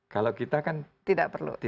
kalau kita kan tidak perlu